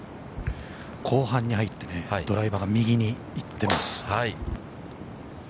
◆後半に入ってドライバーが右に行っています。